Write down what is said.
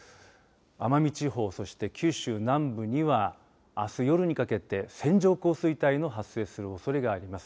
奄美地方、そして九州南部にはあす、夜にかけて線状降水帯の発生するおそれがあります。